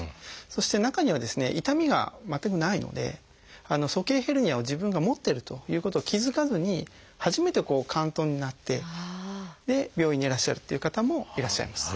そして中にはですね痛みが全くないので鼠径ヘルニアを自分が持ってるということを気付かずに初めて嵌頓になって病院にいらっしゃるっていう方もいらっしゃいます。